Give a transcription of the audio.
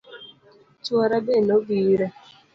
Chuora be nobiro